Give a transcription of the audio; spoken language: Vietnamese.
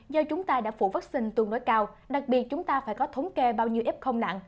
do chúng ta đã phủ vaccine tương đối cao đặc biệt chúng ta phải có thống kê bao nhiêu f nặng